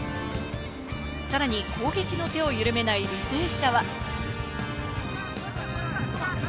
さらに攻撃の手を緩めない履正社は。